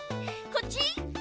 こっち？」